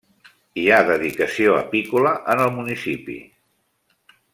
Hi ha dedicació apícola en el municipi.